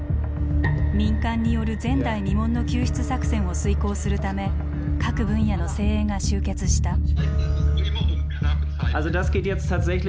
民間による前代未聞の救出作戦を遂行するため各分野の精鋭が集結した。